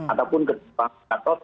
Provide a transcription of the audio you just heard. ataupun ketua katot